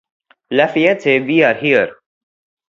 Lafayette, we are here.